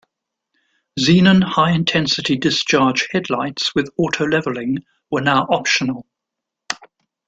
Xenon High-Intensity Discharge headlights with auto-leveling were now optional.